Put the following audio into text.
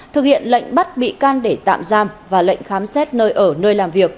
thực hiện lệnh bắt bị can để tạm giam và lệnh khám xét nơi ở nơi làm việc